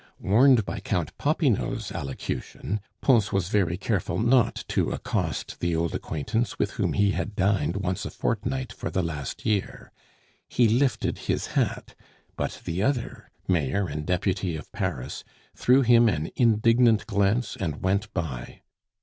Warned by Count Popinot's allocution, Pons was very careful not to accost the old acquaintance with whom he had dined once a fortnight for the last year; he lifted his hat, but the other, mayor and deputy of Paris, threw him an indignant glance and went by.